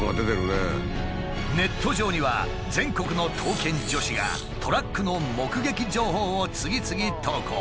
ネット上には全国の刀剣女子がトラックの目撃情報を次々投稿。